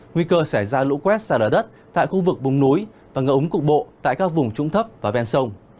nguy cơ xảy ra lũ quét xa lở đất tại khu vực vùng núi và ngợ ống cục bộ tại các vùng trung thấp và ven sông